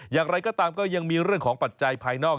อย่างไรก็ตามก็ยังมีเรื่องของปัจจัยภายนอก